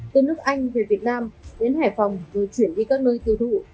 từ nước anh về việt nam đến hải phòng rồi chuyển đi các nơi tiêu thụ